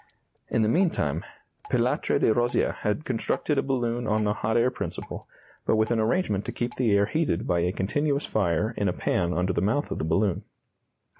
In the meantime Pilatre de Rozier had constructed a balloon on the hot air principle, but with an arrangement to keep the air heated by a continuous fire in a pan under the mouth of the balloon.